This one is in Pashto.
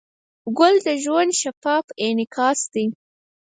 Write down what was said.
ګل د ژوند شفاف انعکاس دی.